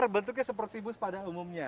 bentuknya seperti bus pada umumnya